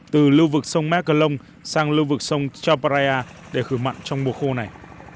từ lưu vực sông mekalong sang lưu vực sông chaubraya để khử mặn trong mùa khô này